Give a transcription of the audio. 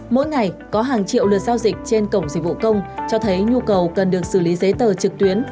mỗi ngày có hàng triệu lượt giao dịch trên cổng dịch vụ công cho thấy nhu cầu cần được xử lý giấy tờ trực tuyến